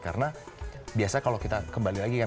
karena biasanya kalau kita kembali lagi yang